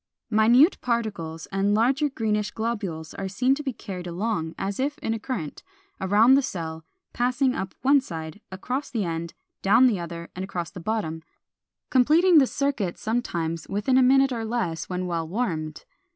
Minute particles and larger greenish globules are seen to be carried along, as if in a current, around the cell, passing up one side, across the end, down the other and across the bottom, completing the circuit sometimes within a minute or less when well warmed.